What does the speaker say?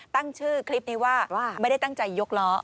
ตั้งชื่อคลิปนี้ว่าไม่ได้ตั้งใจยกล้อ